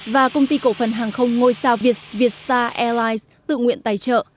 và công ty cổ phần hàng không ngôi sao việt việt star airlines tự nguyện tài trợ